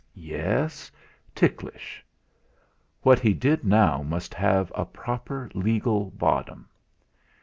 Yes ticklish! What he did now must have a proper legal bottom.